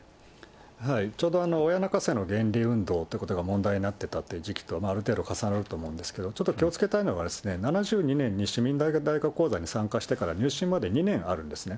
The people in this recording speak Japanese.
ちょうど親泣かせの原理運動ということが問題になってたっていう時期とある程度重なると思うんですけど、ちょっと気をつけたいのが７２年の市民大学講座に参加してから入信まで２年あるんですね。